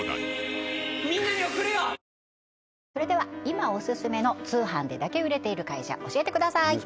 今オススメの通販でだけ売れている会社教えてください